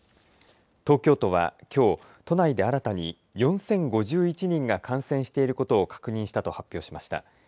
東京都はきょう、都内で新たに４０５１人が感染していることを確認したと発表しました。